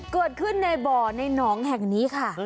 เกิดขึ้นในบ่อในหนองแห่งนี้ค่ะ